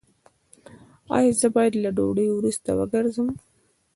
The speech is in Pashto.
ایا زه باید له ډوډۍ وروسته وګرځم؟